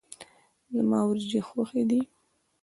زما وريجي خوښي دي.